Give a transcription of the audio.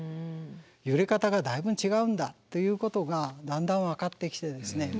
揺れ方がだいぶ違うんだということがだんだん分かってきてですね。